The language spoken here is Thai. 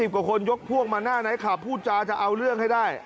๒๐กว่าคนยกพวกมาหน้าไหนค่ะผู้จารย์จะเอาเรื่องให้ได้